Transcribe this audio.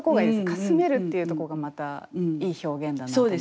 かすめるっていうとこがまたいい表現だなと思って。